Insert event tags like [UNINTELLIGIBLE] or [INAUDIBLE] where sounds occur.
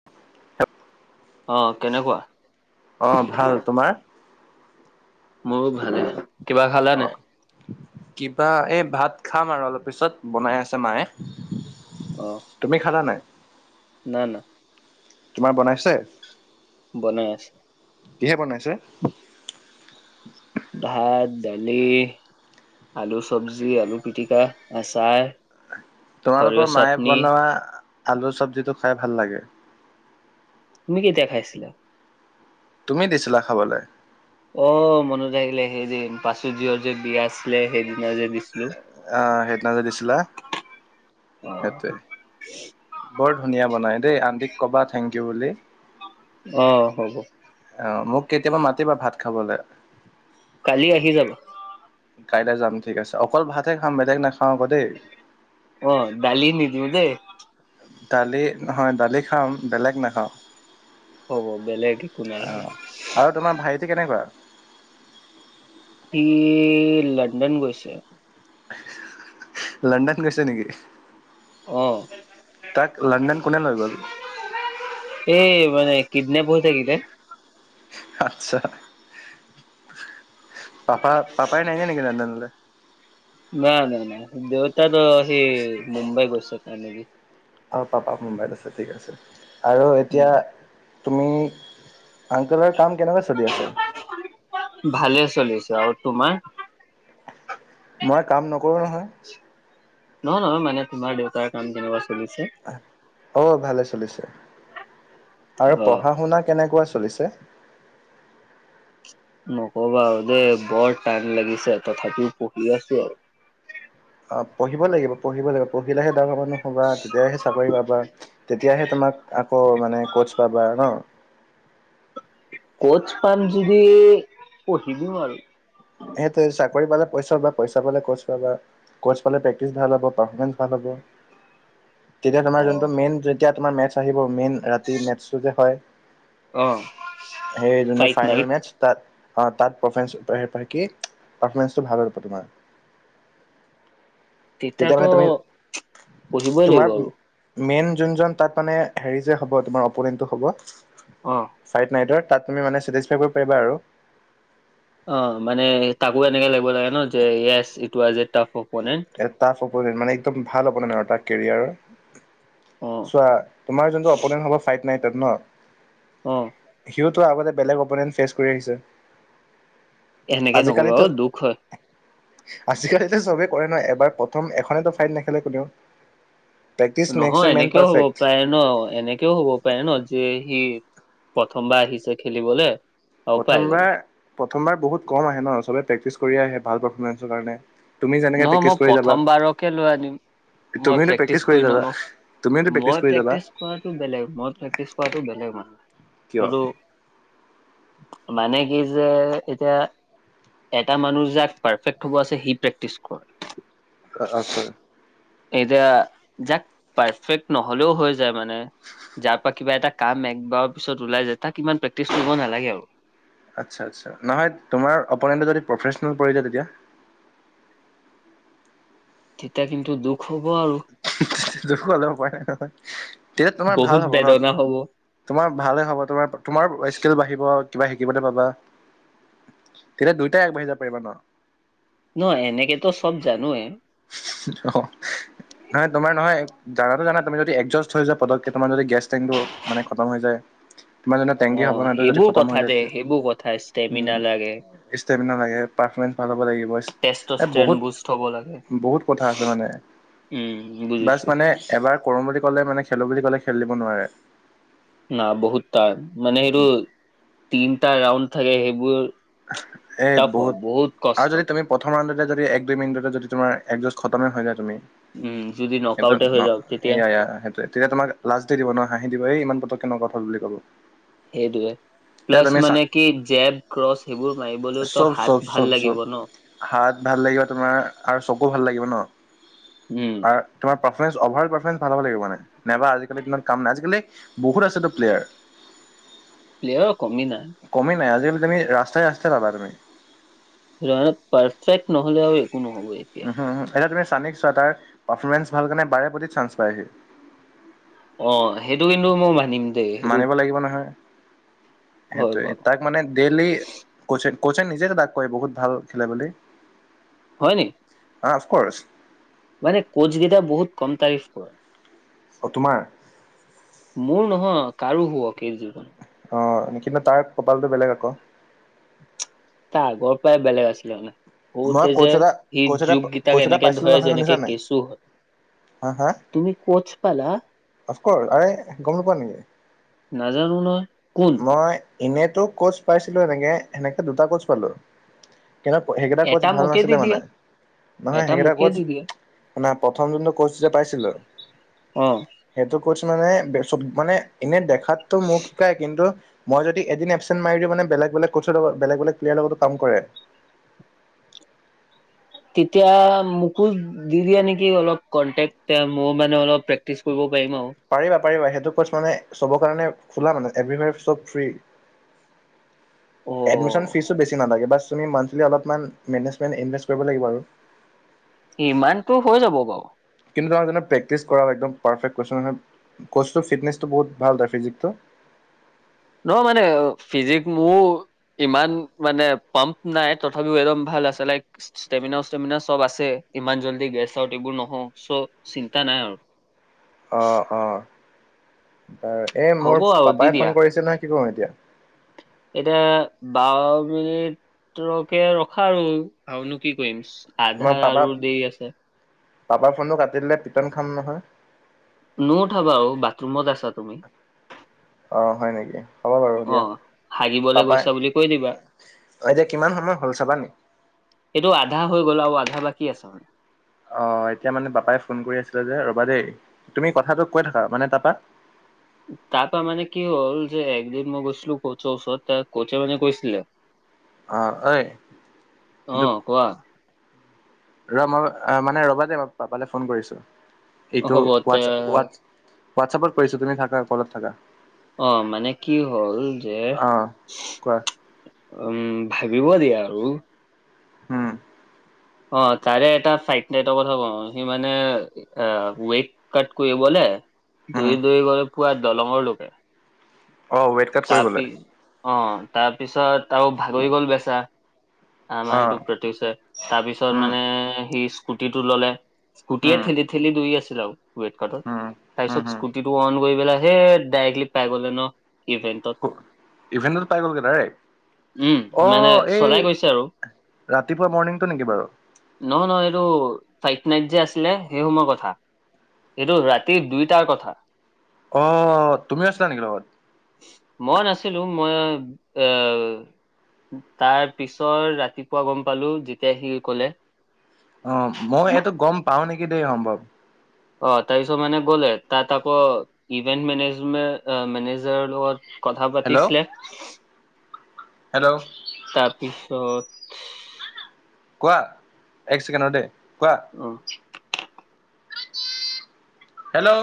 [UNINTELLIGIBLE] অ', কেনেকুৱা? অ' ভাল, তোমাৰ? মোৰো ভালে, কিবা খালা অ নাই? কিবা, এই ভাত খাম আৰু অলপ পিছত, বনাই আছে মায়ে। অ'হ। তুমি খালা নাই? না না। তোমাৰ বনাইছে? বনাই আছে। কিহে বনাইছে? ভাত, দালি আলু চব্জি, আলু পিটিকা, আচাৰ। সৰিয়হ তোমালোকৰ মায়ে চাটনি বনোৱা, আলু চব্জিটো খাই ভাল লাগে। তুমি কেতিয়া খাইছিলা? তুমি দিছিলা খাবলে। অ' মনত আহিলে, সেইযে পাচুয্য যে বিয়া আছিলে, সেইদিনা যে দিছিলোঁ। অ', সেইদিনা যে দিছিলা। অ সেইটোৱে, বৰ ধুনীয়া বনাইদেই, আণ্টিক ক'বা থেংক ইউ বুলি। অ, হ'ব। অ', মোক কেতিয়াবা মাতিবা ভাত খাবলে। কালি আহি যাবা। কাইলৈ যাম ঠিক আছে, অকল ভাতহে খাম বেলেগ নাখাওঁ আকৌ দেই। অ' দালি নিদিব দেই। দালি, নহয় দালি খাম, বেলেগ নাখাওঁ। হ'ব বেলেগ একো অ নালাগে। আৰু তোমাৰ ভাইটি কেনেকুৱা? সি লণ্ডন গৈছে। [UNINTELLIGIBLE] লণ্ডন গৈছে নেকি? অ'। তাক, লণ্ডন কোনে লৈ গ'ল? [UNINTELLIGIBLE] এই মানে কিডনেপ হৈ থাকিলে। অট্চা, পাপা, পাপাই নাহে নেকি লন্দনলৈ? ন নাই নাই, দেউতটো সি মুম্বাই গৈছে [UNINTELLIGIBLE] তোমাৰ। অ পাপা মুম্বাইত আছে, ঠিক আছে, আৰু এতিয়া উম তুমি আংকলৰ কাম কেনেকোৱা চলি আছে? ভালে চলিছে আৰু তোমাৰ। মই কাম নকৰোঁ নহয়। নহয় নহয় মানে তোমাৰ দেউতাৰ কাম কেনেকুৱা চলিছে? অঁ ভালে চলিছে, আৰু অ পঢ়া শুনা কেনেকুৱা চলিছে? নকবা আৰু দেই বৰ টাইম লাগিছে তথাপিও পঢ়ি আছো আৰু। অ পঢ়িব লাগিব পঢ়িব লাগিব পঢ়িলেহে ডাঙৰ মানুহ হ'বা তেতিয়াহে চাকৰি পাবা। তেতিয়াহে তোমাক আকৌ মানে ক'চ পাবা আৰু ন। ক'চ পাম যদি পঢ়ি দিওঁ আৰু। সেইটোৱে চাকৰি পালে পইচা পাবা পইচা পালে ক'চ পাবা। ক'চ পালে প্ৰেকটিচ ভাল হব, পাৰফৰ্মমেঞ্চ ভাল হ'ব। তেতিয়া অ তোমাৰ যোনটো মেইন যেতিয়া তোমাৰ মেথছ আহিব মেইন- ৰাতি মেটচটো যে হয়, অ সেই যোনটো ফাইট ফাইনেল নাইট মেটছ তাত- অঁ তাত পৰফেঞ্চ কৰি পাৰি কি পাৰফৰ্মমেঞ্চটো ভাল হ'ব তোমাৰ। তেতিয়া তেতিয়াতো মানে তুমি পঢ়িবই লাগিব তোমাৰ আৰু। মেইন যোনজন তাত মানে হেৰি যে হ'ব তোমাৰ অপনেন্টো হ'ব। অঁ ফাইট নাইটৰ তাত তুমি মানে চেটিফাই কৰিব পাৰিবা আৰু। অঁ মানে তাকো এনেকে লাগিব লাগে, ন যে yes it was a tough opponent. Tough opponent মানে একদম ভাল অপনেণ্ট আৰু তাৰ কেৰিয়াৰ ৰ। অঁ চোৱা, তোমাৰ যোনটো অপ'নেণ্ট হ' ফাইট নাইট ত ন। অঁ। সিওতো আগতে বেলেগ অপনেন ফেচ কৰি আহিছে। এনেকে নকবা আজিকালিতো, অ দুখ হয় আজিকালিটো চবেই- কয় ন এবাৰ প্ৰথম এখনেটো ফাইট নেখেলে কোনেও। প্ৰেক্টিচ মেক্স এ নহয় মেন এনেকেও হ'ব পাৰফেক্ট প্ৰায়। ন এনেকেও হ'ব পাৰে ন যে সি প্ৰথম বাৰ আহিছে খেলিবলে। আৰু পাই গ'লে প্ৰথমবাৰ প্ৰথমবাৰ বহুত কম আহে ন, সবে প্ৰেক্টিচ কৰিয়ে আহে ভাল পাৰফমেঞ্চৰ কাৰণে। তুমি যেনেকে নহয় প্ৰেক্টিচ মই কৰি যাবা প্ৰথম বাৰকে লৈ আনিম। মই প্ৰেক্টিচ কৰি নলও, তুমিওতো মই কৰি যাবা প্ৰেক্টিচ কৰা- টো বেলেগ মই প্ৰেক্টিছ কৰাটো বেলেগ হয় কিয় সেইটো- মানে কি যে এতিয়া- এটা মানুহ যাক পাৰ্ফেক্ট হ'ব আছে সি প্ৰেক্টিছ কৰে। আচ্ছা। এতিয়া যাক পাৰফেক্ট নহ'লেও হৈ- মানে যাৰ পৰা কিবা এটা কাম একবাৰৰ পিছত ওলাই যায় তাক ইমান প্ৰেক্টিচ কৰিব নালাগে আৰু। আচ্ছা আচ্ছা নহয়, তোমাৰ অপনেণ্টেটো যদি প্ৰফেচনেল পৰি যায় তেতিয়া। তেতিয়া কিন্তু দুখ হ'ব আৰু। দেখুৱালে সপাই হা হা, তেতিয়া তোমাৰ ভাল বহুত হ'ব ন। বেদনা হ'ব তোমাৰ ভালে হব তোমাৰ তোমাৰ স্কিল বাঢ়িব কিবা শিকিবলৈ পাবা। তেতিয়া দুইটাই আগবাঢ়ি যাব পাৰিবা ন। নহয় এনেকেতো চব জানোৱে। অঁ নহয় তোমাৰ নহয়। জানো জানা তুমি যদি এডজষ্ট হৈ যোৱা পতককেই তোমাৰ যদি গেছ টেংটো মানে খতম হৈ যায়। তোমাৰ যেনে অ টেংকি খাব ন এইটো যদি সেইবোৰ খতম কথা হয় যায় দে তেতিয়া সেইবোৰ কথা উম। ষ্টেমিনা লাগে ষ্টেমিনা লাগে পাৰফমেঞ্চ ভাল হ'ব লাগিব ইচ, এ টেষ্টষ্টেন বহুত- বুষ্ট হ'ব লাগে। বহুত কথা আছে মানে, উম বাছ বুজিছো মানে এবাৰ- কৰম বুলি ক'লে মানে খেলো বুলি ক'লে খেল দিব নোৱাৰে। ন বহুত টান মানে সেইটোৰ তিনটা ৰাউণ্ড থাকে সেইবোৰ। এ টাফ হয় বহুত আৰু কষ্ট যদি তুমি প্ৰথম ৰাউণ্ডতে যদি এক দুই মিনিটতে যদি তোমাৰ এক যোঁজ খতমে হৈ যায় তুমি উম যদি নক সেইটো আউটে হৈ ন যাওঁ তেতিয়া এয়া এয়া সেইটোৱে। তেতিয়া তোমাক লাষ্ট ডে দিব নহ হাঁহি দিব এই ইমান পতকে কে নো ক'ত হ'ল ' বুলি কব সেইটোৱে তেতিয়া প্লাছ তুমি চা মানে কি জেব ক্ৰচ সেইবোৰ মাৰিবলৈওতো চব চব হাত চব ভাল চব লাগিব ন হাত ভাল লাগিব তোমাৰ আৰু চকু ভাল লাগিব ন উম আৰু তোমাৰ পাৰফমেঞ্চ অভাৰ পাৰফমেঞ্চ ভাল'হব লাগিব মানে নাইবা আজিকালি দিনত কাম নাই আজিকালি বহুত আছে ন প্লেয়াৰ প্লেয়াৰ কমি নাই। কমেই নাই আজিকালি তুমি ৰাস্তাই ৰাস্তাই পাবা তুমি। নে পাৰফেক্ট নহ'লে হয় উম এতিয়া তুমি চানিক চোৱা তাৰ পাৰফৰ্মেন্ঞ্চ ভাল কাৰণে বাৰে প্ৰতি চান্স পায় সি‌ অ সেইটো কিন্তু মই মানিম দেই সেইটো মানিব লাগিব নহয় হয় সেইটোৱে বাৰু তাক মানে ডেইলি ক্ৰচে ক্ৰছে নিজেটো তাক কয় বহুত ভাল খেলে বুলি। হয় নেকি? অফকৰ্ছ মানে ক্ৰচ কেইটা বহুত কম তাৰিফ কৰে অ তোমাৰ মোৰ নহয় কাৰো হুৱক এই জীৱন অ কিন্তু তাৰ কপালটো বেলেগ আক, তাৰ আগৰ পাই বেলেগ আছিলে মানে মই সৰুতে যে কোচ এটা সি কোচ এটা যোগকেইটাক কোচ এটা এনেকে পাইছিলো ধৰে নহয় শুনিছা যেনেকে নাই কেঁচু হয় হা হা তুমি কোচ পালা অফকৰ্চ আৰে গম নোাপোৱা নেকি? নাজানো নহয় কোন? মই এনেতো ক্ৰচ পাইছিলো এনেকে সেনেকে দুটা ক্ৰচ পালো কিন্তু এটা ক্ৰচ ভাল মোকে দি নাছিলে দিয়া মানে। নহয় এটা সেকেইটা মোকে ক্ৰচ দি দিয়া মানে প্ৰথম যোনটো ক্ৰচ যে পাইছিলোঁ। অ সেইটো ক্ৰচ মানে মানে এনে দেখাতটো মোক শিকাই কিন্তু মই যদি এদিন এপচেট মাৰি দিওঁ মানে বেলেগ বেলেগ ক্ৰচ লগত বেলেগ বেলেগ প্লেয়াৰৰ লগত কম কৰে তেতিয়া মোকো দি দিয়া নেকি অলপ কনটেক্ট তে মই মানে অলপ প্ৰেক্টিছ কৰিব পাৰিম আৰু পাৰিবা পাৰিবা সেইটোক ক্ৰচ মানে চবৰ কাৰণে খোলা মানে এভীভ চব ফ্ৰী অ এডমিশন ফিজো বেছি নালাগে বাস তুমি অলপমান মেনেজমেণ্ট ইনভেষ্ট কৰিব লাগিব আৰু। ইমানটো হৈ যাব বাৰু। কিন্তু তাৰ যেনে প্ৰেক্টিচ কৰা হয় একদম পাৰফেক্ট কৈছোঁ নহয় ক্ৰচ ফিটনেছটো বহুত ভাল তাৰ ফিজিকটো। ন মানে ফিজিক মোৰ ইমান মানে পাম্প নাই তথাপিও একদম ভাল আছে লাইক। ষ্টেমিনা ষ্টেমিনা চব আছে ইমান জল্দি গেছ এইবোৰ নহওঁ চ' চিন্তা নাই আৰু। অ অ বাৰু এই হ'ব মোৰ আৰু দি পাপাই দিয়া ফোন কৰিছে নহয় কি কৰো এতিয়া? এতিয়া বাৰ মিনিটকে ৰখা আৰু আৰুনো কি কৰিম। মই আধা পাপা আৰু দি আছে। পাপাৰ ফোনটো কাটি দিলে পিটন খাম নহয়। নু উঠাবা আৰু বাথৰুমত আছাত। অ হয় নেকি হ'ব বাৰু অ দিয়া হাগিবলৈ তাৰপাই গৈছা বুলি কৈ দিবা অ এতিয়া কিমান সময় হল চাবা নেকি? এইটো আধা হৈ গ'ল আৰু আধা বাকী আছ মানে। অ এতিয়া মানে পাপাই ফোন কৰি আছিলে যে ৰবা দেই তুমি কথাটো কৈ থাকা মানে তাৰপা তাৰপা মানে কি হ'ল যে একদিন মই গৈছিলো কৌচ ওচৰত ত কৌচে মানে কৈছিল অ ঐ অ কিন্তু কোৱা ৰ মই মানে ৰবা মই পাপালে ফোন কৰিছো। এইটো হ'ব তে হোৱাটছআপত কৰিছো তুমি থাকা কলত থাকা। অ মানে কি হ'ল যে অ'। কোৱা উম ভাবিব দিয়া আৰু হম, অ তাৰে এটা ফাইট নেট কথা কওঁ সি মানে অ ৱেক কাট কৰিবলে উম, দৌৰি দৌৰি গলে পুৰা দলঙৰ লৈকে। অ ওৱেট, তাৰপিছ অ তাৰপিছত আৰু ভাগৰি গল বেচেৰা। আমাহ অ', সেইটোক প্ৰতিতিওছে তাৰপিছত উম, মানে সি স্কুটিটো ললে। স্কুটি এ উম। থেলি থেলি দুই আছিল আও। ৱেট কত উম, হম, তাৰপিছত হম, স্কুটি টো অন কৰি পেলাই সে ডাইৰেক্টলি পাই গলে ন। ইভেণ্টত, ইভেন্টত পাই গলগে ডাইৰেক। উম অ মানে এই চলাই গৈছে আৰু ৰাতিপুৱা মৰ্ণিংটো নেকি বাৰু নহয় নহ এইটো চাইট নাইট যে আছিলে সেই সময় কথা। এইটো ৰাতিৰ দুইটাৰ কথা অ তুমিও আছিলা নেকি লগত। মই নাছিলো মই এ তাৰ পিছত ৰাতিপুৱা গম পালো যেতিয়া সি ক'লে, অ মই এইটো গম পাও নেকি দেই সম্ভৱ। অ তাৰ পিছত মানে গ'লে তাত আক ইভেন্ট মেনেজমে মেজাৰৰ লগত কথা হেল্ল', পাতিছিলে। হেল্ল, তাৰপিছত কোৱা এক ছেকেণ্ড ৰ দেই কোৱা। উম, হেল্ল',